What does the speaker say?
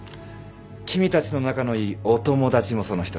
君たちと仲のいいお友達もその１人。